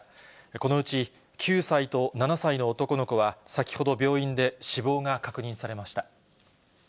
このうち９歳と７歳の男の子は、先ほど病院で死亡が確認されました。